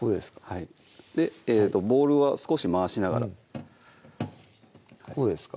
はいボウルは少し回しながらこうですか？